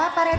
gak pak rete